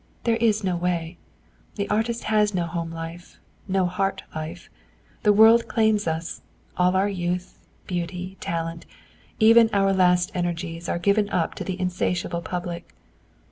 There is no way. The artist has no home life, no heart life. The world claims us; all our youth, beauty, talent, even our last energies are given up to the insatiate public.